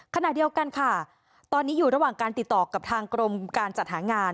ขณะเดียวกันค่ะตอนนี้อยู่ระหว่างการติดต่อกับทางกรมการจัดหางาน